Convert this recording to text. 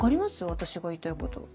私が言いたいこと。